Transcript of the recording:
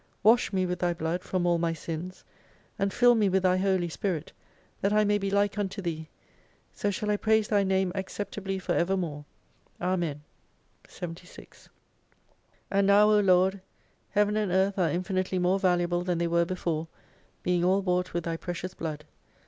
"Wash me with Thy blood from all my Sins : And fill me with Thy Holy Spirit that I may be like unto Thee. So shall I praise Thy Name acceptably for ever more. Amen. 76 And now, O Lord, Heaven and Earth are infinitely more valuable than they were before, being all bought with Thy precious blood.